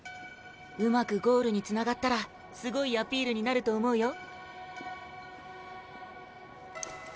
うまくゴールにつながったらすごいアピールになると思うよ。